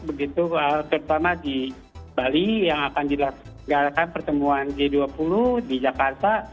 begitu terutama di bali yang akan dilaksanakan pertemuan g dua puluh di jakarta